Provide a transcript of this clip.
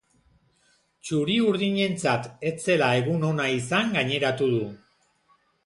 Txuri-urdinentzat ez zela egun ona izan gaineratu du.